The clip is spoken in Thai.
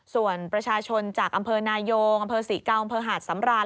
ส่วนประชาชนจากอำเภอนายงอำเภอศรีเกาอำเภอหาดสำราน